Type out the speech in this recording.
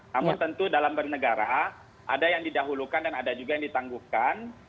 namun tentu dalam bernegara ada yang didahulukan dan ada juga yang ditangguhkan